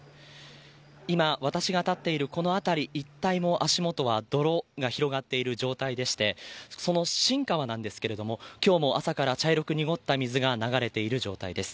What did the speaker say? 今、私が立っているこの辺り一帯も足元は泥が広がっている状態でしてその新川なんですが今日も朝から茶色く濁った水が流れている状態です。